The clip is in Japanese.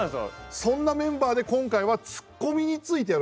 そんなメンバーで今回はツッコミについてやる。